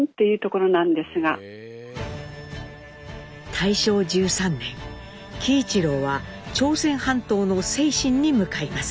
大正１３年喜一郎は朝鮮半島の清津に向かいます。